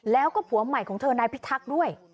แล้วก็ผัวใหม่ของเธอนายพิทักษ์ด้วย